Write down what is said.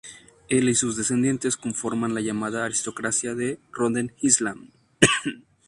Él y sus descendientes conformaron la llamada "aristocracia" de Rhode Island.